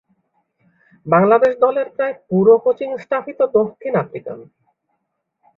বাংলাদেশ দলের প্রায় পুরো কোচিং স্টাফই তো দক্ষিণ আফ্রিকান।